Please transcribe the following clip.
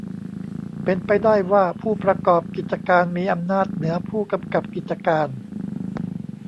เป็นไปได้ว่าผู้ประกอบกิจการมีอำนาจเหนือผู้กำกับกิจการ